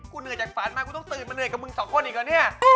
กูเหนือกจากฟันมาที่ตื่นมาเหนื่อยกับมึงสองคนอีกวะเนี่ย